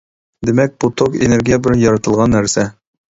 دېمەك، بۇ توك، ئېنېرگىيە بىر يارىتىلغان نەرسە.